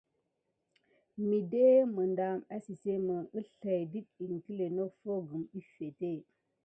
Miɗe miŋɗɑm ésisémé əslay dət iŋkle noffo gum əffete.